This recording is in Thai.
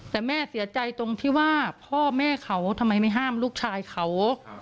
แต่แม่เสียใจตรงที่ว่าพ่อแม่เขาทำไมไม่ห้ามลูกชายเขา